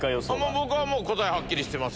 僕は答えはっきりしてます。